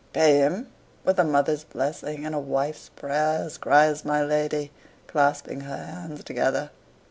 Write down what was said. "Pay him! With a mother's blessing and a wife's prayers!" cries my lady, clasping her hands together.